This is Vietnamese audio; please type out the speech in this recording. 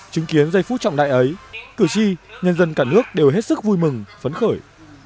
chứng kiến giây phút trọng đại ấy cử tri nhân dân cả nước đều hết sức vui mừng phấn khởi